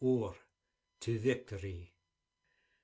Or to victorie!